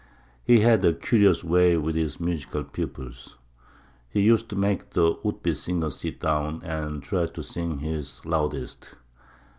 He had a curious way with his musical pupils. He used to make the would be singer sit down and try to sing his loudest.